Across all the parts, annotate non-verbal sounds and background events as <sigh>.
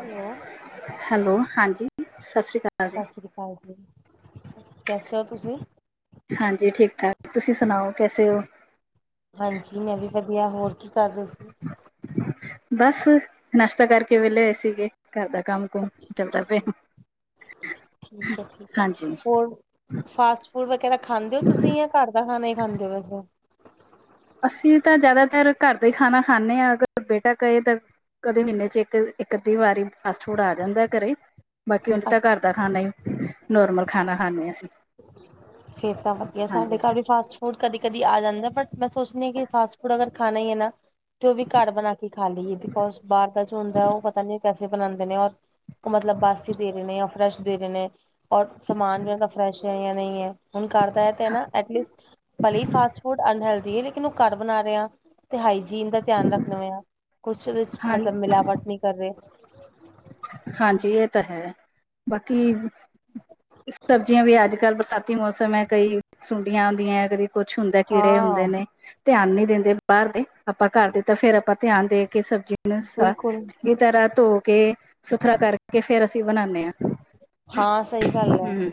Hello hello, ਹਾਂਜੀ ਸਤਿ ਸ਼੍ਰੀ ਅਕਾਲ ਜੀ ਹਾਂਜੀ, ਕੈਸੇ ਹੋ ਤੁਸੀਂ ਹਾਂਜੀ, ਠੀਕ ਠਾਕ, ਤੁਸੀਂ ਸੁਣਾਓ, ਕੈਸੇ ਹੋ ਹਾਂਜੀ, ਮੈਂ ਵੀ ਵਧੀਆ, ਹੋਰ ਕੀ ਕਰ ਰਹੇ ਸੀ। ਬਸ ਨਾਸ਼ਤਾ ਕਰਕੇ ਵਿਹਲੇ ਹੋਏ ਸੀਗੇ, ਘਰ ਦਾ ਕੰਮ ਅੱਛਾ ਚੱਲਦਾ ਅੱਛਾ ਪਿਆ, ਠੀਕ ਹੈ ਠੀਕ ਹੈ ਹਾਂਜੀ ਹੋਰ ਫਾਸਟ ਫੂਡ ਵਗੈਰਾ ਖਾਂਦੇ ਹੋ ਤੁਸੀਂ, ਯਾ ਘਰ ਦਾ ਖਾਣਾ ਹੀ ਖਾਂਦੇ ਹੋ, ਵੈਸੇ ਅਸੀਂ ਤਾਂ ਜ਼ਿਆਦਾਤਰ ਘਰ ਦਾ ਹੀ ਖਾਣਾ ਖਾਂਦੇ ਹਾਂ, ਅਗਰ ਬੇਟਾ ਕਹੇ ਤੇ ਕਦੇ ਮਹੀਨੇ ਚ ਇੱਕ, ਇੱਕ ਅੱਧੀ ਵਾਰੀ। ਅਸ ਥੋੜਾ ਆ ਜਾਂਦਾ ਘਰੇ ਈ, ਬਾਕੀ ਉਝ ਤਾਂ ਘਰ ਅੱਛਾ ਦਾ ਖਾਣਾ ਹੀ, ਨੋਰਮਲ ਖਾਣਾ ਖਾਂਦੇ ਹ ਅਸੀਂ। ਫੇਰ ਤਾਂ ਵਧੀਆ, ਸਾਡੇ ਹਾਂਜੀ ਘਰ ਵੀ ਫਾਸਟ ਹੁਣ ਕਦੀ ਕਦੀ ਆ ਜਾਂਦਾ, ਬਟ ਮੈਂ ਸੋਚਣੀ ਹਾਂ ਕਿ ਫਾਸਟ ਫੂਡ ਅਗਰ ਖਾਣਾ ਹੀ ਹੈ ਨਾ ਤੇ ਉਹ ਵੀ ਘਰ ਬਣਾ ਕੇ ਖਾ ਲਈਏ, ਬਿਕੋਜ ਬਾਹਰ ਦਾ ਜੋ ਹੁੰਦਾ, ਉਹ ਪਤਾ ਨੀ ਉਹ ਕੈਸੇ ਬਣਾਉਂਦੇ ਨੇ, ਔਰ ਉਹ ਮਤਲਬ ਬਾਸੀ ਦੇਖਨੇ ਆਂ, ਜਾਂ ਫਰੈਸ਼ ਦੇਖਨੇ, ਔਰ ਸਮਾਨ ਵੀ ਉਹਨਾਂ ਦਾ ਫਰੈਸ਼ ਹੈ ਜਾਂ ਨਹੀਂ ਹੈ। ਹੁਣ ਕਰਦਾ ਹੈ, ਤੇ ਹਾਂ ਨਾ ਐਟਲੀਸਟ, ਭਲੇ ਹੀ ਫਾਸਟ ਫੂਡ ਅਨਲਦੀ ਹੈ, ਲੇਕਿਨ ਨੂੰ ਘਰ ਬਣਾ ਰਹੇ ਹਾ, ਤੇ ਹਾਈਜੀਨ ਦਾ ਧਿਆਨ ਰੱਖਣੇ ਆ, ਕੁਛ ਉਹਦੇ ਚ ਮਤਲਬ ਹਾਂ- ਮਿਲਾਵਟ ਨਹੀਂ। ਕਰ ਰਹੇ ਹਾਂਜੀ ਇਹ ਤਾਂ ਹੈ ਬਾਕੀ ਸਬਜ਼ੀਆਂ ਵੀ ਅੱਜ ਕੱਲ, ਬਰਸਾਤ ਤੀ ਮੌਸਮ ਹੈ, ਕਈ ਸੁੰਡੀਆਂ ਹੁੰਦੀਆਂ ਹੈ, ਕਦੀ ਕੁਛ ਹੁੰਦਾ, ਕੀੜੇ ਹਾਂ ਹੁੰਦੇ ਨੇ। ਧਿਆਨ ਨੀ ਦਿੰਦੇ ਬਾਹਰ ਦੇ, ਆਪਾਂ ਘਰ ਦੇ ਤਾਂ ਫੇਰ ਆਪਾਂ ਧਿਆਨ ਦੇ ਕੇ, ਸਬਜ਼ੀ ਨੂੰ ਬਿਲਕੁਲ ਤਰ੍ਹਾਂ ਧੋ ਕੇ, ਸੁਥਰਾ ਕਰ ਕੇ, ਫੇਰ ਅਸੀਂ ਬਣਾਉਦੇ ਹਾਂ। ਹਾਂ ਸਹੀ ਗੱਲ ਹੈ, ਹਮ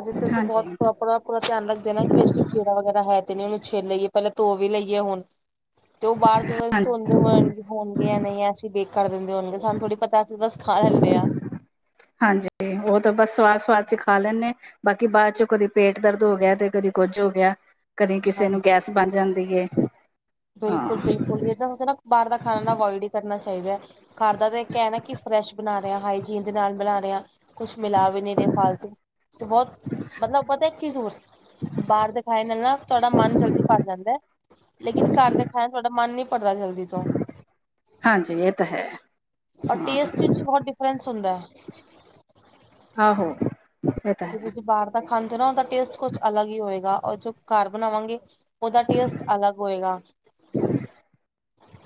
ਅਸੀ ਫਿਰ ਸੇ ਹਾਂਜੀ ਬਹੁਤ ਪ੍ਰੋਪਰ ਪੂਰਾ ਧਿਆਨ ਰੱਖਦੇ ਨਾ, ਕੋਈ ਕੀੜਾ ਵਗੈਰਾ ਹੈ ਤੇ ਨੇ, ਉਹ ਨੂੰ ਛਿਲ ਲਈਏ, ਪਹਿਲਾਂ ਧੋ ਵੀ ਲਈਏ ਹੁਣ। ਤੇ ਉਹ ਬਾਹਰ ਚ, ਪਤਾ ਨੀ ਹਾਂਜੀ ਧੋਂਦੇ ਹੋਣਗੇ ਹੋਣਗੇ ਜਾਂ ਨਹੀਂ, ਏਨਜ ਹੀ ਬੇਕ ਕਰ ਦਿੰਦੇ ਹੋਣਗੇ, ਸਾਨੂੰ ਥੋੜ੍ਹੀ ਪਤਾ ਅਸੀਂ ਬਸ ਖਾ ਲੈਂਦੇ ਹਾਂ। ਹਾਂਜੀ ਉਹ ਤਾਂ ਬਸ ਸਵਾਦ ਸਵਾਦ ਚ ਖਾ ਲੈਂਦੇ ਬਾਕੀ ਬਾਅਦ ਚੋਂ ਕਦੇ ਪੇਟ ਦਰਦ ਹੋ ਗਿਆ ਤੇ ਕਦੀ ਕੁੱਝ ਹੋ ਗਿਆ ਕਦੀ ਕਿਸੇ ਨੂੰ ਹਾਂਜੀ ਗੈਸ ਬਣ ਜਾਂਦੀ ਹੈ। ਬਿਲਕੁਲ ਬਿਲਕੁਲ ਜਿਦਾ ਹੁੰਦਾ ਨਾ ਬਾਹਰ ਦਾ ਖਾਣਾ ਅਵੋਇਡ ਹੀ ਕਰਨਾ ਚਾਹੀਦਾ ਹੈ। ਘਰ ਦਾ ਤਾਂ ਇੱਕ ਹੈ ਨਾ ਕਿ ਫਰੈਸ਼ ਬਣਾ ਰਿਹਾ ਹਾਈਜੀਨ ਦੇ ਨਾਲ ਬਣਾ ਰਿਹਾ ਕੁਛ ਮਿਲਾ ਵੀ ਨਹੀਂ ਰ ਫਾਲਤੂ ਤੇ ਬਹੁਤ ਮਤਲਬ ਪਤਾ ਕੀ ਬਾਹਰ ਦਿਖਾਣ ਨਾਲ ਨਾ ਤੁਹਾਡਾ ਮਨ ਜਲਦੀ ਭਰ ਜਾਂਦਾ ਲੇਕਿਨ ਘਰ ਦੇ ਖਾਨਾ ਥੋੜ੍ਹਾ ਮਨ ਨੀ ਪੜਦਾ ਜਲਦੀ ਤੋਂ ਹਾਂਜੀ ਇਹ ਤਾਂ ਹੈ। ਔਰ ਹਾਂ ਟੇਸਟ ਵਿਚ ਬਹੁਤ ਡਿਫਰੈਂਸ ਹੁੰਦਾ ਹੈ ਆਹੋ ਇਹ ਤਾਂ ਜ ਹੈ ਤੁਸੀਂ ਬਾਹਰ ਦਾ ਖਾਂਦੇ ਹੋ ਨਾ ਉਹਦਾ ਟੇਸਟ ਕੁਛ ਅਲੱਗ ਹੀ ਹੋਏਗਾ ਔਰ ਘਰ ਬਣਾਵਾਂਗੇ ਉਹਦਾ ਟੇਸਟ ਅਲੱਗ ਹੋਏਗਾ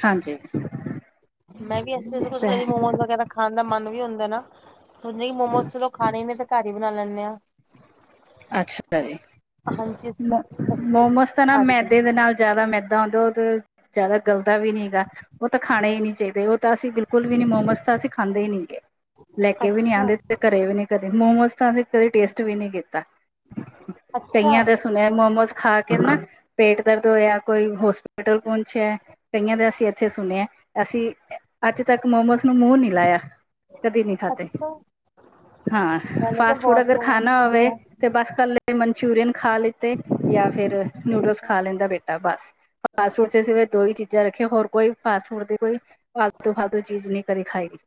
ਹਾਂਜੀ ਮੈਂ ਵੀ ਇਥੇ ਕੁਛ ਤਾਂ ਕਦੀ ਹੈ ਮੋਮੋਜ਼ ਵਗੈਰਾ ਖਾਣ ਦਾ ਮਨ ਵੀ ਹੁੰਦਾ ਨਾ ਸਮਝੋ ਕਿ ਮੋਮੋਸ ਚਲੋ ਖਾਣੇ ਹੀ ਨੇ ਤੇ ਘਰ ਹੀ ਬਣਾ ਲੈਂਦੇ ਹਾਂ। ਅੱਛਾ ਜੀ ਹਾਂਜੀ ਅਸੀਂ ਘਰ ਹੀ ਮੋਮੋਸ ਤਾਂ ਨਾ ਬਣਾ ਲੈਂਦੇ ਮੈਦੇ ਦੇ ਨਾਲ ਹਾਂ। ਜ਼ਿਆਦਾ ਮੈਦਾਂ ਹੁੰਦਾ ਉਹ ਤੇ ਜ਼ਿਆਦਾ ਗਲਦਾ ਵੀ ਨੀਗਾ ਉਹ ਤਾਂ ਖਾਣੇ ਹੀ ਨਹੀਂ ਚਾਹੀਦੇ ਉਹ ਤਾਂ ਅਸੀਂ ਬਿਲਕੁਲ ਵੀ ਨ ਮੋਮੋਸ ਤਾਂ ਅਸੀਂ ਖਾਂਦੇ ਹੀ ਨਹੀਂ ਗਏ ਲੈ ਕੇ ਵੀ ਨੀ ਅੱਛਾ ਆਉਂਦੇ ਤੇ ਘਰੇ ਵੀ ਨੀ ਕਦੇ ਮੋਮੋਸ ਤਾਂ ਅਸੀਂ ਕਦੇ ਟੇਸਟ ਵੀ ਨਹੀਂ ਕੀਤਾ ਅੱਛਾ ਕਈਆਂ ਦਾ ਸੁਣਿਆ ਮੋਮੋਸ ਖਾ ਕੇ ਨਾ ਪੇਟ ਦਰਦ ਹੋਇਆ ਕੋਈ ਹੋਸਪ ਮਟਰਲ ਪੁੰਛ ਹੈ ਕਈਆਂ ਦੇ ਅਸੀਂ ਇੱਥੇ ਸੁਣ ਹੈ ਅਸੀਂ ਅੱਜ ਤੱਕ ਮੋਮੋਸ ਨੂੰ ਮੂੰਹ ਨੀ ਲਾਇਆ ਕਦੀ ਨਹੀਂ ਖਾਦੇ ਅੱਛਾ ਹਾਂ ਮੈਨੇ ਤਾਂ ਫਾਸਟ ਫੂਡ ਬਹੁਤ ਅਗਰ ਮੋਮੋਸ ਖਾਣਾ ਖਾਏ ਹੋਵੇ ਆ। ਅਤੇ ਬਸ ਇਕੱਲੇ ਮਨਚੂਰੀਅਨ ਖਾ ਲਿੱਤੇ ਜਾਂ ਫਿਰ ਨੂਡਲਸ ਖਾ ਲੈਂਦਾ ਬੇਟਾ ਬਸ ਫਾਸਟ ਫੂਡ ਦੋ ਹੀ ਚੀਜ਼ਾਂ ਰੱਖੀਆਂ ਹੋਰ ਕੋਈ ਫਾਸਟ ਫੂਡ ਦੇ ਕੋਈ ਫਾਲਤੂ ਫਾਲਤੂ ਚੀਜ਼ ਨਹੀਂ ਕਰੇ ਖਾਈ ਦੀ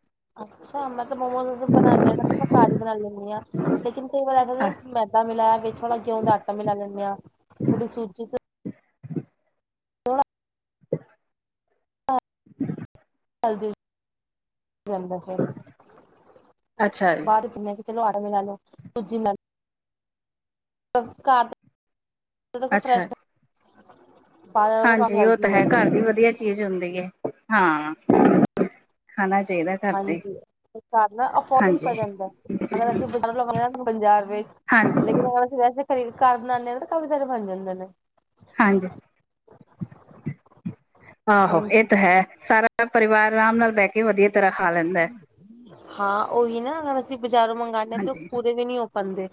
ਅੱਛਾ ਮੈਂ ਤਾਂ ਮੋਮੋਜ਼ਂ ਬਣਾਂਦੇ ਤੇ ਮੈਂ ਘਰ ਬਣਾ ਲੈਂਦੀ ਹਾਂ ਲੇਕਿਨ ਕਈ ਵਾਰ ਅ ਮੈਦਾ ਮਲਾਇਆ ਵਿਚ ਥੋੜਾ ਗਿਹੂ ਦਾ ਆਟਾ ਮਿਲਾ ਲੈਂਦੇ ਹਾਂ ਥੋੜੀ ਜੀ ਤੋਂ <inaudible> <unintelligible> <unintelligible> ਅੱਛਾ ਜੀ <unintelligible> ਘਰ ਅੱਛਾ ਫਰੈਸ਼ ਜੀ ਬਾਹਰ ਵਾਲਾ ਤਾਂ ਕਾਫੀ ਹਾਂਜੀ ਉਹ ਤਾਂ ਹੈਲਦੀ ਹੈ ਘਰ ਦੀ ਵਧੀਆ ਚੀਜ਼ ਹੁੰਦੀ ਹੈ ਹਾਂ ਖਾਣਾ ਚਾਹੀਦਾ ਘਰ ਦੇ ਹਾਂਜੀ ਅਫੋਰਡਲ ਹਾਂਜੀ ਪੈ ਜਾਂਦਾ ਅਗਰ ਅਸੀਂ ਪੰਜਾਰ ਹਾਂ ਲੇਕਿਨ ਅਗਰ ਅਸੀਂ ਵੈਸੇ ਖਰੀਦ ਘਰ ਬਨਾਂਦੇ ਹਾਂ ਤਾਂ ਕਾਫੀ ਸਾਰੇ ਬਣ ਜਾਂਦੇ ਨੇ ਹਾਂਜੀ ਆਹੋ ਇਹ ਹਾਂਜੀ ਤਾਂ ਹੈ ਸਾਰਾ ਪਰਿਵਾਰ ਆਰਾਮ ਨਾਲ ਬਹਿ ਕੇ ਵਧੀਆ ਤਰ੍ਹਾਂ ਖਾ ਹਾਂ ਉਹੀ ਨਾ ਅਗਰ ਅਸੀਂ ਬਜ਼ਾਰੋਂ ਮੰਗਵਾਦੇ ਹਾਂ ਤੇ ਉਹ ਹਾਂਜੀ ਪੂਰੇ ਵੀ ਨੀ ਪਾਉਂਦੇ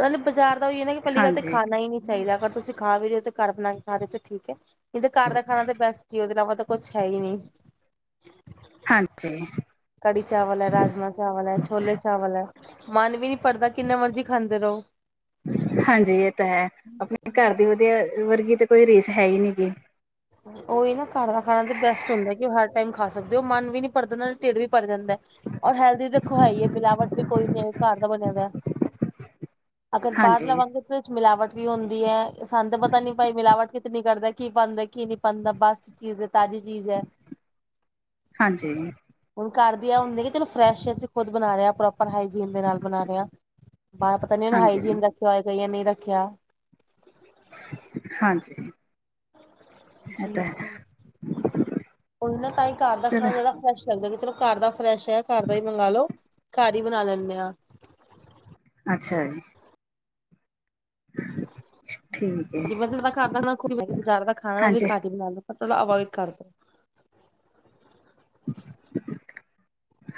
ਉਹ ਬਾਜ਼ਾਰ ਦਾ ਈ ਹੈ ਨਾ ਕਿ ਪਹਿਲੀ ਗੱਲ ਤਾਂ ਹਾਂਜੀ ਖਾਣਾ ਹੀ ਨਹੀਂ ਚਾਹੀਦਾ ਅਗਰ ਤੁਸੀਂ ਖਾ ਵੀ ਰਹੇ ਹੋ ਤਾਂ ਘਰ ਬਣਾ ਕੇ ਖਾ ਰਹੇ ਹੋ ਤੇ ਠੀਕ ਹੈ ਕਹਿੰਦੇ ਘਰ ਦਾ ਖਾਣਾ ਤਾਂ ਬੈਸਟ ਉਹਦੇ ਇਲਾਵਾ ਕੁਛ ਹੈ ਨਹੀਂ ਹਾਂਜੀ ਕੜੀ ਚਾਵਲ ਹੈ ਰਾਜਮਾਂ ਚਾਵਲ ਹੈ ਛੋਲੇ ਚਾਵਲ ਹੈ ਮਨ ਵੀ ਨੀ ਪੜਦਾ ਕਿੰਨੇ ਮਰਜੀ ਖਾਂਦੇ ਰਹੋ ਹਾਂਜੀ ਇਹ ਤਾਂ ਹੈ ਆਪਣੇ ਘਰ ਦੀ ਵਧੀਆ ਵਰਗੀ ਤਾਂ ਕੋਈ ਰੀਸ ਹੈ ਹੀ ਨੀ ਗੀ ਹੀ ਨਾ ਘਰ ਦਾ ਖਾਣਾ ਤੇ ਬੈਸਟ ਹੁੰਦਾ ਕਿ ਉਹ ਹਰ ਟਾਈਮ ਖਾ ਸਕਦੇ ਉਹ ਮਨ ਵੀ ਨੀ ਪਰਦਾ ਢਿਰ ਵੀ ਪੜ ਜਾਂਦਾ ਔਰ ਹੈਲਦੀ ਦੇਖੋਈਏ ਮਿਲਾਵਟ ਵੀ ਕੋਈ ਨੀ ਘਰ ਦਾ ਬਣਿਆ ਵ ਅਗਰ ਬਾਹਰ ਹਾਂਜੀ ਲਵਾਂਗੇ ਵਿੱਚ ਮਿਲਾਵਟ ਵੀ ਹੁੰਦੀ ਹੈ ਸਾਨੂੰ ਪਤਾ ਨੀ ਭਾਈ ਮਿਲਾਵਟ ਕਿਤਨੀ ਕਰਦਾ ਕੀ ਬਣਦਾ ਕੀ ਨੀ ਪਾਉਦਾ ਬਸ ਚੀਜ਼ ਹੈ ਤਾਜ਼ੀ ਚੀਜ਼ ਹੈ ਹਾਂਜੀ ਹੁਣ ਘਰ ਆ ਹੁੰਦੀ ਕਿ ਚਲੋ ਫਰੈਸ਼ ਅਸੀਂ ਖੁਦ ਬਣਾ ਰਹੇਾਂੋ ਆਪਾਂ ਹਾਈਜੀਨ ਦੇ ਨਾਲ ਬਣਾ ਰਹੇਾਂ ਬ ਪਤਾ ਨੀ ਉਹਨੇ ਹਾਂਜੀ ਹਾਈਜੀਨ ਰੱਖਿਆ ਹੋਇਆ ਕਈਆਂ ਨਹੀਂ ਰੱਖਿਆ ਹਾਂਜੀ ਇਹ ਜੀ ਤਾਂ ਜੀ ਹੈ ਉਹ ਨਾ ਤਾਂ ਹੀ ਘਰ ਦਾ ਖਾਣਾ ਚਲੋ ਚਾਹਿਦਾ ਫਰੈਸ਼ ਲੱਗਦਾ ਕਿ ਚਲੋ ਘਰ ਦਾ ਫਰੈਸ਼ ਹੈ ਘਰ ਦਾ ਹੀ ਮੰਗ ਲਓ ਘਰ ਹੀ ਬਣਾ ਲੈਂਦੇ ਆਾਂ ਅੱਛਾ ਜੀ ਠੀਕ ਹੈ ਜ ਮੈਂ ਜਦਾ ਖਾਧਦਾ ਖ ਮੈਂ ਬਜ਼ਾਰ ਦਾ ਖਾਣਾ ਉਹ ਵੀ ਹਾਂਜੀ ਘਾਟ ਹੀ ਬਣਾ ਲ ਥੋੜਾ ਅਵੋਇਡ ਕਰਦੇ <inaudible>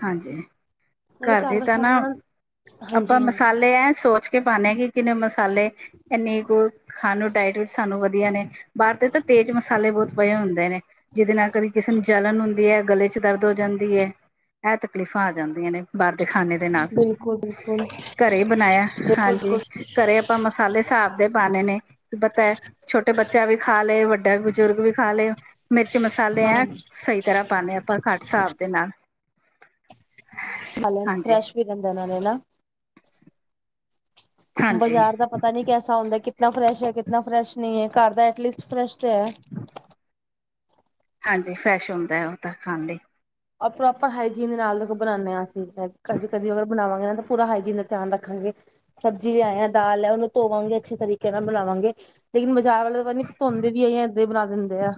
ਹਾਂਜੀ ਨਾਲੇ ਘਰ ਦੇ ਦਾ ਤਾਂ ਨਾ ਖਾਣਾ ਆਪਾਂ ਹਾਂਜੀ ਹਾਂਜੀ ਮਸਾਲੇ ਐ ਸੋਚ ਕੇ ਪਾਉਦੇ ਹਾਂ ਕਿ ਕਿੰਨੇ ਮਸਾਲੇ ਇੰਨੀ ਕੁ ਖਾਣ ਨੂੰ ਡਾਇਟ ਵੀ ਸਾਨੂੰ ਵਧੀਆ ਨੇ ਬਾਹਦੇ ਤਾਂ ਤੇਜ਼ ਮਸਾਲੇ ਬਹੁਤ ਪਏ ਹੁੰਦੇ ਨੇ ਜਿਹਦੇ ਨਾਲ ਕਦੀ ਕਿਸੇ ਨੂੰ ਜਲਣ ਹੁੰਦੀ ਹੈ ਗਲੇ ਚ ਦਰਦ ਹੋ ਜਾਂਦੀ ਹੈ ਇਹ ਤਕਲੀਫ਼ਾਂ ਆ ਜਾਂਦੀਆਂ ਨੇ ਬਾਹਰ ਦੇ ਖਾਣੇ ਦੇ ਨਾਲ ਬਿਲਕੁਲ ਬਿਲਕੁਲ ਘਰੇ ਹੀ ਬਣਾਇਆ ਬਿਲਕੁਲ ਹਾਂਜੀ ਬਿਲਕੁਲ ਘਰੇ ਆਪਾਂ ਮਸਾਲੇ ਹਿਸਾਬ ਦੇ ਪਾਉਣੇ ਨੇ ਕੀ ਪਤਾ ਹੈ ਛੋਟੇ ਬੱਚਾ ਵੀ ਖਾ ਲਏ ਵੱਡਾ ਬਜ਼ੁਰਗ ਵੀ ਖਾ ਲਏ ਮਿਰਚ ਮਸਾਲੇ ਹੈ ਹਾਂ ਸਹੀ ਤਰ੍ਹਾਂ ਪਾਉਦੇ ਹ ਆਪਾਂ ਘੱਟ ਹਿਸਾਬ ਦੇ ਨਾਲ ਹ ਹਾਂਜੀ ਫਰੈਸ਼ ਵੀ ਰਹਿੰਦਾ ਨਾਲੇ ਨਾ ਹਾਂਜੀ ਬਜ਼ਾਰ ਦਾ ਪਤਾ ਨ ਨਹੀਂ ਕੈਸਾ ਹੁੰਦਾ ਕਿਤਨਾ ਫਰੈਸ਼ ਹੈ ਕਿਤਨਾ ਫਰੈਸ਼ ਨਹੀਂ ਹੈ ਘਰ ਦਾ ਐਟਲੀਸਟ ਫਰੈਸ਼ ਤੇ ਹੈ ਹਾਂਜੀ ਫਰੈਸ਼ ਹੁੰਦਾ ਉਹ ਤਾਂ ਖਾਣ ਲਈ ਉਹ ਪ੍ਰੋਪਰ ਹਾਈਜੀਨ ਦੇ ਨਾਲ ਬਣਾਉਂਦੇ ਹਾਂ ਅਸੀਂ ਅਸੀਂ ਕਦੀ ਅਗਰ ਬਣਾਵਾਂਗੇ ਨਾ ਪੂਰਾ ਹਾਈਜੀਨ ਦਾ ਧਿਆਨ ਰੱਖਾਂਗੇ ਸਬਜ਼ੀ ਲਿਆਏਆ ਦਾਲ ਉਹਨੂੰ ਧੋਵਾਂਗੇ ਅੱਛੇ ਤਰੀਕੇ ਨਾਲ ਬਣਾਵਾਂਗੇ ਲੇਕਿਨ ਬਾਜ਼ਾਰ ਵਾਲੇਤਾ ਨੀ ਧੋਂਦੇ ਵੀ ਆ ਜਾਂ ਇਏਦਾਂ ਹੀ ਬਣਾ ਦਿੰਦੇ ਆ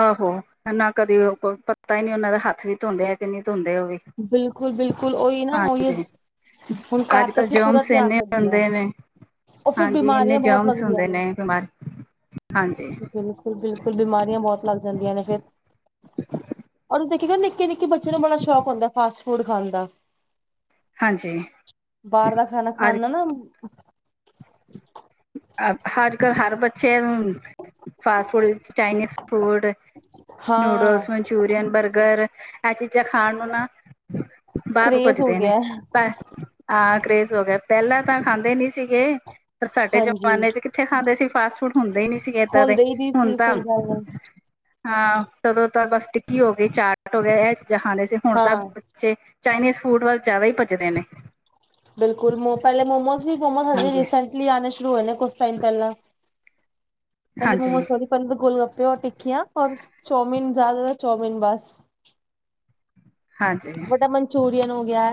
ਆਹੋ ਨਾ ਕਦੇ ਉਹ ਪਤਾ ਹੀ ਨੀ ਉਹਨਾਂ ਦਾ ਹੱਥ ਵੀ ਧੋਂਦੇ ਆ ਕਿ ਨਹੀਂ ਧੋਂਦੇ ਉਹ ਵੀ ਬਿਲਕੁਲ ਬਿਲਕੁਲ ਉਹੀ ਨਾ ਉਹੀ ਹਾਂਜੀ ਘਰ ਅੱਜ ਤਾਂ ਕੱਲ੍ਹ ਅਸੀਂ ਜੋਮ ਪੂਰਾ ਧਿਆਨ ਸੇਨੇ ਰੱਖਦੇ ਹਾਂ ਹੁੰਦੇ ਨੇ ਉਹ ਫਿਰ ਹਾਂਜੀ ਇੰਨੇ ਬਿਮਾਰੀਆਂ ਬਹੁਤ ਜਮਸ ਲੱਗਦੀਆਂ ਹੁੰਦੇ ਨੇ ਬਿਮਾਰੀ ਹਾਂਜੀ ਬਿਲਕੁਲ ਬਿਲਕੁਲ ਬਿਮਾਰੀਆਂ ਬਹੁਤ ਲੱਗ ਜਾਂਦੀਆਂ ਨੇ ਫੇਿਰ <inaudible> ਦੇਖੀ ਨਿੱਕੇ ਨਿੱਕੇ ਬੱਚੇ ਨੂੰ ਬੜਾ ਸ਼ੌਕ ਹੁੰਦਾ ਫਾਸਟ ਫੂਡ ਖਾਣ ਦਾ ਹਾਂਜੀ ਬਾਹਰ ਦਾ ਖਾਣਾ ਖਾਣ ਅੱਜ ਨਾਲ ਨਾ ਅੱਜ ਕੱਲ੍ਹ ਹਰ ਬੱਚੇ ਫਾਸ ਫੂਡ ਵਿੱਚ ਚਾਈਨੀਜ਼ ਫੂਡ ਹਾਂ ਨੂਡਲਸ ਮਨਚੂਰੀਅਨ ਬਰਗਰ ਆ ਚੀਜ਼ ਚਾਂ ਖਾਣ ਨੂੰ ਨਾ ਬਾਹਰ ਨੂੰ ਕਰੇਜ਼ ਹੋ ਭੱਜਦੇ ਨੇ ਗਿਆ ਪ ਹਾਂ ਕਰੇਜ਼ ਹੋ ਗਿਆ ਪਹਿਲਾਂ ਤਾਂ ਖਾਂਦੇ ਨੀ ਸੀਗੇ ਪਰ ਸਾਡੇ ਚ ਹਾਂਜੀ ਜ਼ਮਾਨੇ ਚ ਕਿੱਥੇ ਖਾਂਦੇ ਸੀ ਫਾਸਟ ਫੂਡ ਹੁੰਦੇ ਹੀ ਨਹੀਂ ਸੀਗੇ ਏਦਾਂ ਦੇ ਹੁੰਦੇ ਹੀ ਨਹੀਂ ਹੁਣ ਸੀ ਤਾਂ ਸਹੀ ਗੱਲ ਹੈ ਹਾਂ ਤਦੋਂ ਤਾਂ ਬਸ ਟਿੱਕੀ ਹੋ ਗਈ ਚਾਟ ਹੋ ਗਿਆ ਇਹ ਚੀਜ਼ਾਂ ਖਾਂਦੇ ਸੀ ਹੁਣ ਤਾਂ ਹਾਂ ਚਾਈਨੀਜ਼ ਫੂਡ ਵੱਲ ਜ਼ਿਆਦਾ ਹੀ ਭੱਜਦੇ ਨੇ ਬਿਲਕੁਲ ਮ ਪਹਿਲੇ ਮੋਮੋਸ ਵੀ ਮੋਮੋਸ ਹਜੇ ਹਾਂਜੀ, ਰੀਸੈਂਟਲੀ ਆਉਣੇ ਸ਼ੁਰੂ ਹੋਏ ਨੇ ਕੁਛ ਟਾਈਮ ਪਹਿਲਾਂ ਪਹਿਲੇ ਹਾਂਜੀ, ਮੋਮੋਸ ਬੀ ਗੋਲ ਗੱਪੇ ਰ ਟਿਕਕੀਆਂ ਰ ਚਾਮੀਨ ਜ਼ਿਆਦਾ ਚਾਊਮਨ ਬਸ ਹਾਂਜੀ। ਮੋਟਾ ਮੰ ਮਚੂਰੀਅਨ ਹੋ ਗਿਆ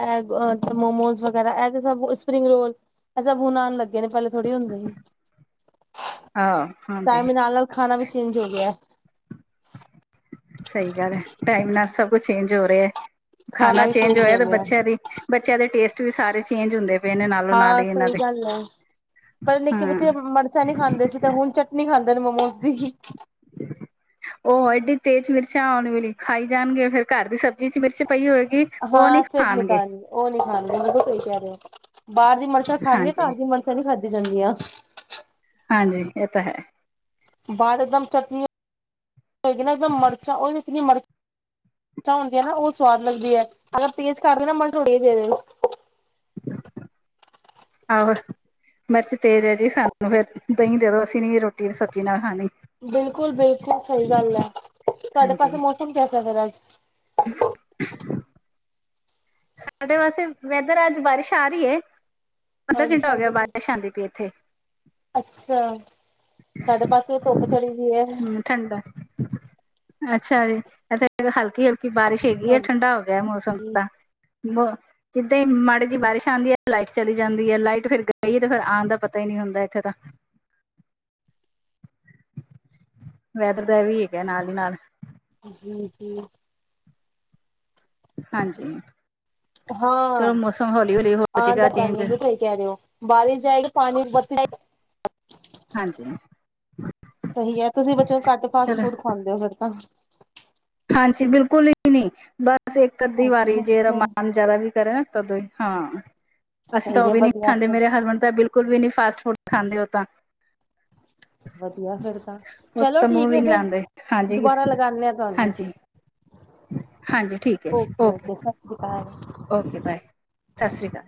ਮੋਮੋਸ ਵਗੈਰਾ ਇਹ ਤੇ ਸ ਸਪਰਿੰਗ ਰੋਲ ਅ ਬ ਹਣ ਆਉਣ ਲੱਗੇ ਨੇ ਪਹਿਲੇ ਥੋੜੀ ਹੁੰਦੇ ਸੀ ਹਾਂ ਟਾਈਮ ਹਾਂਜੀ ਦੇ ਨਾਲ ਨਾਲ ਖਾਣਾ ਵੀ ਚੇਂਜ ਹੋ ਗਿਆ ਸਹੀ ਗੱਲ ਹੈ ਟਾਈਮ ਨਾਲ ਸਭ ਕੁਝ ਚੇਂਜ ਹੋ ਰਿਹਾ ਹੈ ਖਾਣਾ ਵੀ ਚੇਂਜ ਹੋਇਆ ਹੋ ਤੇ ਗਿਆ ਬੱਚਿਆਂ ਦੀ ਬੱਚਿਆਂ ਦੇ ਟੇਸਟ ਵੀ ਸਾਰੇ ਚੇਂਜ ਹੁੰਦੇ ਪਏ ਨੇ ਨਾਲੋਂ ਨਾਲ ਹਾਂ ਹੀ ਇਹਨਾਂ ਸਹੀ ਦੇ ਗੱਲ ਪਰ ਨਿੱਕੇ ਬੱਚੇ ਹੂੰ ਮਰਚਾਂ ਨਹੀਂੀ ਖਾਂਦੇ ਸੀ ਤੇ ਹੁਣ ਚਟਨੀ ਖਾਂਦੇ ਨੇ ਮੋਮੋਸ ਦੀ ਉਹ ਐਏਡੀ ਤੇਜ਼ ਮਿਰਚ ਆਉਣ ਵਾਲੇਲੀ ਖਾਈ ਜਾਣਗੇ ਫੇਿਰ ਘਰ ਦੀ ਸਬਜ਼ੀ ਚ ਮਿਰਚ ਪਈ ਹੋਏਗੀ ਉਹ ਨਹੀਂ ਹਾਂ ਸਧ ਖਾਣਗੇ ਨਿਕਾਲੀ ਉਹ ਨਹੀਂੀ ਖਾਣਗੇ ਮ ਤੁਹੀ ਕਹਿ ਰਹੇ ਹੋ ਬਾਹਰ ਦੀ ਮਨਸ਼ਾ ਖਾਣਗੇੀਆਂ ਘਰ ਹਾਂਜੀ ਦੀ ਮਰਸ਼ਾ ਨਹੀਂੀ ਖਾਧੀ ਜਾਂਦੀਆਂ ਹਾਂਜੀ ਇਹ ਤਾਂ ਹੈ ਬਾਾਲ ਇਕਦਮ ਚਟਨੀ ਹੋਏਗੀ ਨਾ ਇੱਕਦਮ ਮਿਰਚਾਂ ਈਨੀ ਮਿਰਚ ਹੁੰਦੀਆਂ ਨਾ ਉਹ ਸਵਾਦ ਲੱਗਦੀ ਹੈ ਅਗਰ ਤੇਜ ਕਰਦੇ ਨਾ ਮ ੋੜੀ ਦੇ ਦੇ ਆਹੋ ਮਿਰਚ ਤੇਜ਼ ਹੈ ਜੀ ਸਾਨੂੰ ਫਿਰ ਦਹੀਂ ਦੇ ਦੋ ਅਸੀਂ ਨੀ ਰੋਟੀ ਸਬਜ਼ੀ ਨਾਲ ਖਾਣੀ ਬਿਲਕੁਲ ਬਿਲਕੁਲ ਸਹੀ ਗੱਲ ਹੈ ਤੁਹਾਡੇ ਹਾਂਜੀ ਪਾਸੇ ਮੌਸਮ ਕੈਸਾ ਫ ਅੱਜ <inaudible> ਸਾਡੇ ਵਾਸੇ ਵੈਦਰ ਅੱਜ ਬਾਰਿਸ਼ ਆ ਰਹੀ ਹੈ ਅੱਧਾ ਹਾਂਜੀ ਘੰਟਾ ਹੋ ਗਿਆ ਸਾਡੇ ਬਾਰਿਸ਼ ਪਾਸੇ, ਆਉਂਦੀ ਪਈ ਇੱਥੇ ਅੱਛਾ ਸਾਡੇ ਪਾਸੇ ਧੁੱਪ ਚੜੀ ਗਈ ਹੈ ਹੂੰ ਠੰਡਾ ਅੱਛਾ ਜੀ ਇਥ ਹਲਕੀ ਹ ਕਿ ਬਾਰਿਸ਼ ਹੈਗੀ ਆ ਠੰਡਾ ਹੋ ਗਿਆ ਮੌਸਮ ਤਾਂ ਬ ਜਿੱਦਾਂ ਹੀ ਮਾੜੇ ਜਿਹੀ ਬਾਰਿਸ਼ ਆਉਂਦੀ ਹੈ ਲਾਈਟ ਚਲੀ ਜਾਂਦੀ ਹੈ ਲਾਈਟ ਫਿਰ ਗਈ ਤੇ ਫਿਰ ਆਉਣ ਦਾ ਪਤਾ ਹੀ ਨਹੀਂੀ ਹੁੰਦਾ ਇੱਥੇ ਤਾਂ ਵੈਦਰ ਦਾ ਵੀ ਹੈਗਾ ਨਾਲ ਹੀ ਨਾਲ ਜੀ ਜੀ ਹਾਂਜੀ ਹਾਂ ਚਲੋ ਮੌਸਮ ਹੌਲੀ ਹੌਲੀ ਹੋ ਆਉਣ ਜਾਏਗਾ ਦਾ ਚੇਂਜ ਪਣੀੂੰ ਤੁ ਕਹਿ ਦਿਓ ਬਾਰਿਸ਼ ਜਾਏ ਕੇ ਪਾਣੀ ਬੱ ਹਾਂਜੀ ਸਹੀ ਹੈ ਤੁਸੀਂ ਬੱਚੇ ਨੂੰ ਘੱਟ ਫਾਸਟ ਚਲੋ ਫੂਡ ਖਾਂਦੇ ਹੋ ਫਿਰ ਤਾਂ ਹਾਂਜੀ ਬਿਲਕੁਲ ਹੀ ਨਹੀਂ ਬਸ ਇੱਕ ਅੱਧੀ ਵਾਰੀ ਜੇ ਅੱਛਾ-ਅੱਛਾ ਰਮਾਨ ਜ਼ਿਆਦਾ ਵੀ ਕਰਿਆ ਤਦੋਂ ਹੀ ਹਾਂ ਅਸੀਂ ਤਾਂ ਸਹੀ ਉਹ ਹੈ ਵੀ ਨਹੀਂੀ ਵਧੀਆ ਖਾਂਦੇ ਫਿਰ ਮੇਰੇ ਹਸਬੈਂਡ ਤਾਂ ਬਿਲਕੁਲ ਬਿਲਕੁਲ ਵੀ ਨੀ ਫਾਸਟ ਫੂਡ ਖਾਂਦੇ ਹੋ ਤਾਂ ਵਧੀਆ ਫਿਰ ਤਾਂ ਉਹ ਚਲੋ ਤਾਂ ਮੂੰਹ ਠੀਕ ਹੈ ਵੀ ਨਹੀਂੀ ਫਿਰ ਲਾਉਂਦੇ ਹਾਂਜੀ ਕਿਸ ਦੁਬਾਰਾ ਲਗਾਨੇ ਆ ਤੁਹਾਨੂੰ। ਹਾਂਜੀ ਹਾਂਜੀ ਠੀਕ ਹੈ ਜੀ ਓਕੇ ਓਕੇ-ਓਕੇ ਸਤਿ ਸ਼੍ਰੀ ਅਕਾਲ। ਓਕੇ ਬਾਏ ਸਤਿ ਸ਼੍ਰੀ ਅਕਾਲ